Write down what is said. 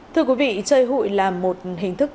thưa quý vị chơi hụi là một hình thức